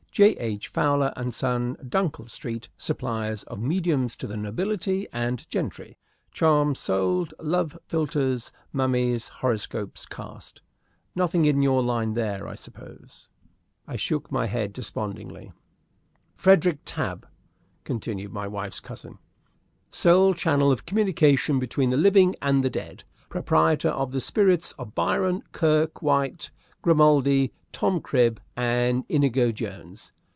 'J. H. Fowler & Son, Dunkel Street, suppliers of mediums to the nobility and gentry; charms sold love philters mummies horoscopes cast.' Nothing in your line there, I suppose?" I shook my head despondingly. "Frederick Tabb," continued my wife's cousin, "sole channel of communication between the living and the dead. Proprietor of the spirits of Byron, Kirke White, Grimaldi, Tom Cribb, and Inigo Jones.